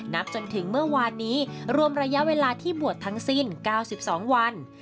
นับจนถึงเมื่อวานนี้รวมระยะเวลาที่บวชทั้งสิ้น๙๒วัน